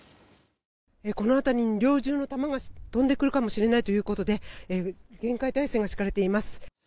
この辺りに猟銃の弾が飛んでくるかもしれないということで厳戒態勢が敷かれています。